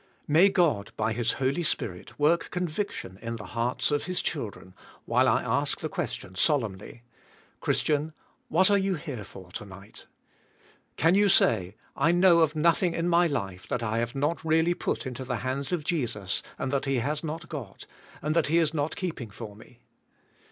May God, by His Holy Spirit, work conviction in the hearts of His children, while I ask the question solemnly: ''Christian, what are you here for, to night?" Can you say, "I know of noth ing in my life that I have not really put into the hands of Jesus and chat He has not got, and that He is not keeping for me?"